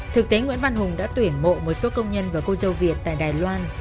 thực tế nguyễn văn hùng đã tuyển mộ một số công nhân và cô dâu việt tại đài loan